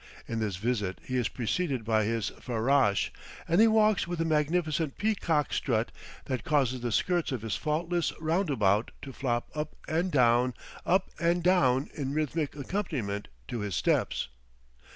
In this visit he is preceded by his farrash, and he walks with a magnificent peacock strut that causes the skirts of his faultless roundabout to flop up and down, up and down, in rhythmic accompaniment to his steps.